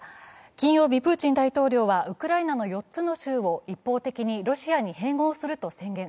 金曜日、プーチン大統領はウクライナの４つの州を一方的にロシアに併合すると宣言。